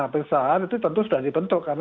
pemeriksaan itu tentu sudah dibentuk karena